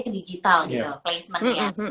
ke digital gitu placementnya